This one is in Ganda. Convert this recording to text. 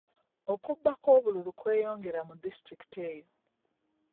Okubba kw'obululu kweyongera mu disitulikiti eyo.